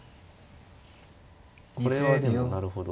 これはでもなるほど。